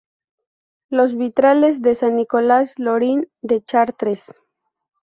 Los vitrales son de Nicolas Lorin, de Chartres.